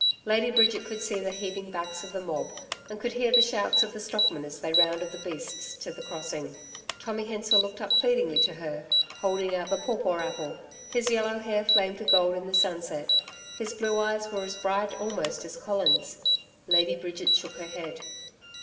Lady Bridget could see the heaving backs of the mob, and could hear the shouts of the stockmen as they rounded the beasts to the crossing. Tommy Hensor looked up pleadingly to her, holding out the pawpaw apple. His yellow hair flamed to gold in the sunset, his blue eyes were as bright almost as Colin's. Lady Bridget shook her head.